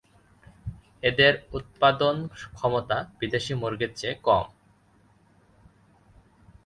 এদের উৎপাদন ক্ষমতা বিদেশী মুরগির চেয়ে কম।